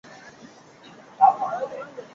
格林海德是德国勃兰登堡州的一个市镇。